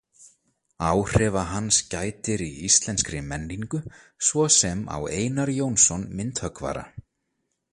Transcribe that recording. Áhrifa hans gætir í íslenskri menningu, svo sem á Einar Jónsson myndhöggvara.